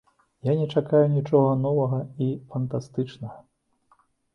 Я не чакаю нічога новага і фантастычнага.